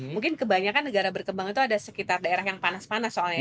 mungkin kebanyakan negara berkembang itu ada sekitar daerah yang panas panas soalnya